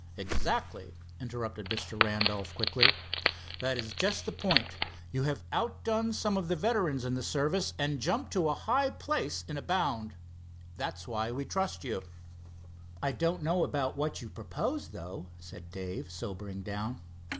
"Exactly," interrupted Mr. Randolph quickly. "That is just the point you've outdone some of the veterans in the service and jumped to a high place in a bound. That's why we trust you." "I don't know about what you propose, though," said Dave, sobering down.